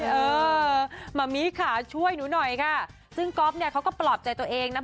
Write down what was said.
เออมะมิค่ะช่วยหนูหน่อยค่ะซึ่งก๊อฟเนี่ยเขาก็ปลอบใจตัวเองนะ